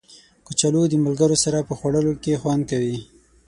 کچالو د ملګرو سره په خوړلو کې خوند کوي